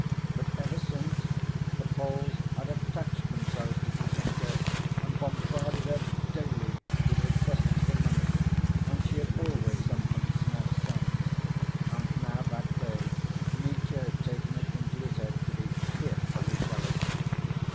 But ever since, the Poles had attached themselves to Grushenka and bombarded her daily with requests for money and she had always sent them small sums. And now that day Mitya had taken it into his head to be fearfully jealous.